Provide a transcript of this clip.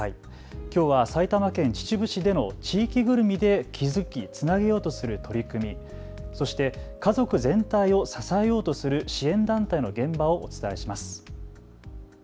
きょうは埼玉県秩父市での地域ぐるみで気付き、つなげようとする取り組み、そして家族全体を支えようとする支援団体の現場をお伝えします。